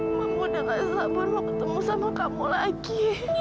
mamamu udah gak sabar mau ketemu sama kamu lagi